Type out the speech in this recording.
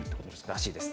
らしいです。